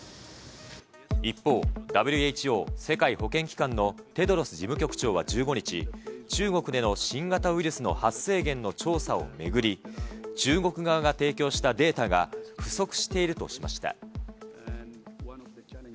一方、ＷＨＯ・世界保健機関のテドロス事務局長は１５日、中国での新型ウイルスの発生源の調査を巡り、中国側が提供したデータが不足しているとしました。